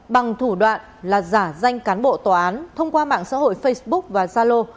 bằng thủ đoạn là giả danh cán bộ tòa án thông qua mạng xã hội facebook và zalo